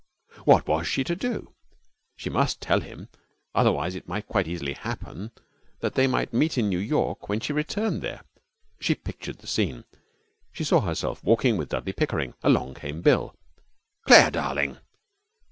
What was she to do? She must tell him. Otherwise it might quite easily happen that they might meet in New York when she returned there. She pictured the scene. She saw herself walking with Dudley Pickering. Along came Bill. 'Claire, darling!'